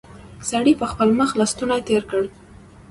سړي پر خپل مخ لستوڼی تېر کړ.